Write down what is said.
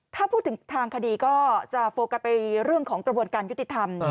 ถ้าพูดถึงทางคดีก็จะโฟกัสไปเรื่องของกระบวนการยุติธรรม